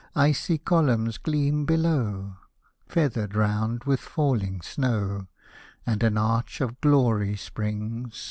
Icy columns gleam below, Feathered round with falling snow, And an arch of glory springs.